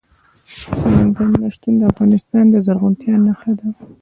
سمندر نه شتون د افغانستان د زرغونتیا نښه ده.